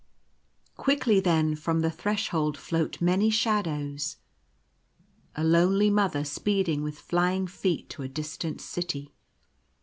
Quickly then from the threshold float many sha dows. — A lonely Mother speeding with flying feet to a dis tant city.